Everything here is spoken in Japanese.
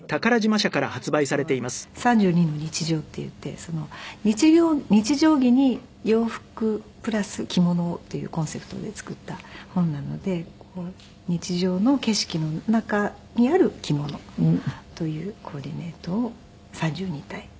あとは「３２の日常」っていって日常着に洋服プラス着物というコンセプトで作った本なので日常の景色の中にある着物というコーディネートを３２体。